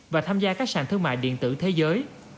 và tham gia các sàn thương mại điện tử thế giới